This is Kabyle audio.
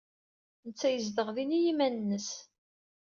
Netta yezdeɣ din i yiman-nnes.